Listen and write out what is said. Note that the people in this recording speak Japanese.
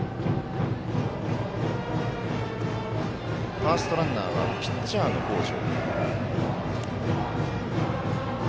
ファーストランナーはピッチャーの北條。